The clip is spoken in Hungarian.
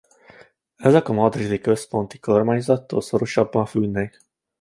Ezek a madridi központi kormányzattól szorosabban függnek.